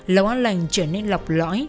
lầu an lệnh trở nên lọc lõi